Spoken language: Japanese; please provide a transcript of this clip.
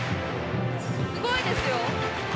すごいですよ！